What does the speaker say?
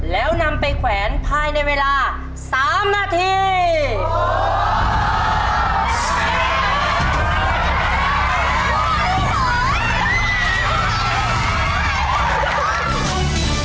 แล้วนำไปแขวนภายในเวลา๓นาที